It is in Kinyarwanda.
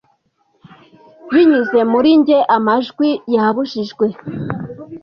Binyuze muri njye amajwi yabujijwe,